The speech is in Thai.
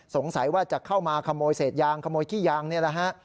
สงสัยว่าจะเข้ามาขโมยเศษยางขโมยขี้ยางนี่แหละฮะ